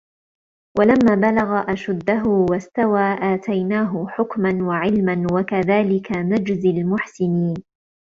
وَلَمّا بَلَغَ أَشُدَّهُ وَاستَوى آتَيناهُ حُكمًا وَعِلمًا وَكَذلِكَ نَجزِي المُحسِنينَ